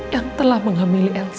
yang telah menghamili elsa